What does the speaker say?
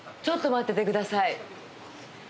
ちょっと待っててください。